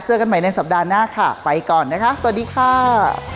กันใหม่ในสัปดาห์หน้าค่ะไปก่อนนะคะสวัสดีค่ะ